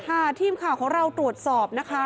ทีมข่าวของเราตรวจสอบนะคะ